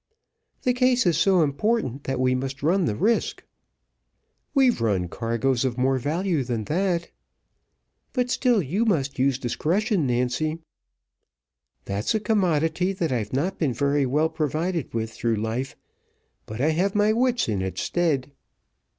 "The case is so important, that we must run the risk." "We've run cargoes of more value than that." "But still you must use discretion, Nancy." "That's a commodity that I've not been very well provided with through life; but I have my wits in its stead."